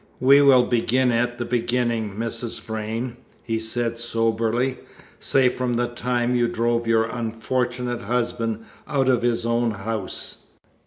"We will begin at the beginning, Mrs. Vrain," he said soberly, "say from the time you drove your unfortunate husband out of his own house."